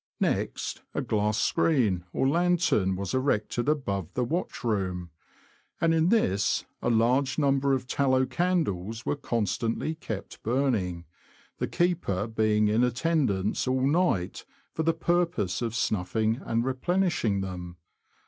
Next, a glass screen, or lantern, was erected above the watch room, and in this a large number of tallow candles were constantly kept burning, the keeper being in attendance all night for the purpose of snuffing and replenishing them.